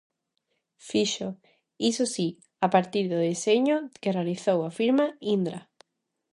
Fíxoo, iso si, a partir do deseño que realizou a firma Indra.